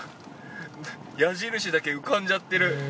矢印だけ浮かんじゃってる。